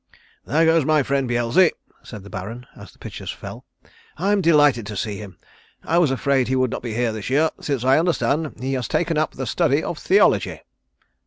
"There goes my friend Beelzy," said the Baron, as the pitchers fell. "I am delighted to see him. I was afraid he would not be here this year since I understand he has taken up the study of theology."